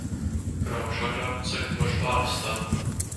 Braukšu agrāk un sagatavošu bērnistabu.